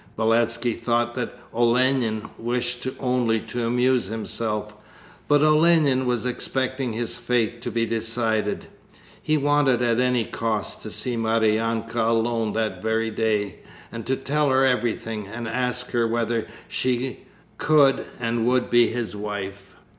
Beletski thought that Olenin wished only to amuse himself, but Olenin was expecting his fate to be decided. He wanted at any cost to see Maryanka alone that very day and to tell her everything, and ask her whether she could and would be his wife.